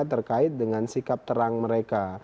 terkait dengan sikap terang mereka